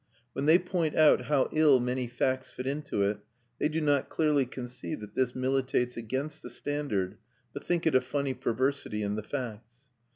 When they point out how ill many facts fit into it, they do not clearly conceive that this militates against the standard, but think it a funny perversity in the facts.